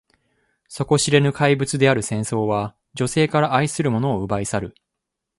底知れぬ怪物である戦争は、女性から愛する者を奪い去る。